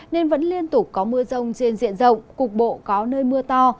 nên vẫn liên tục có mưa rông trên diện rộng cục bộ có nơi mưa to